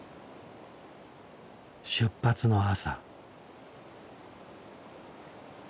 出発の朝。